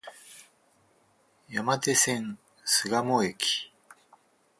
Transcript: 山手線、巣鴨駅